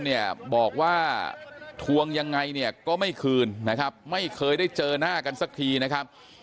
คือนายจตุรนทร์บอกว่าทวงยังไงก็ไม่คืนนะครับไม่เคยได้เจอหน้ากันสักทีนะครับ